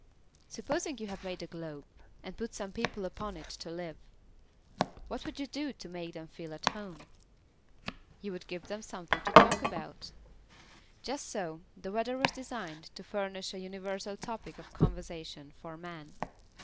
Supposing you have made a globe and put some people upon it to live. What would you do to make them feel at home? You would give them something to talk about. Just so the Weather was designed to furnish a universal topic of conversation for Man.